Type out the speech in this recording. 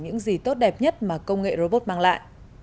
những gì tốt đẹp nhất mà công nghệ robot mang lại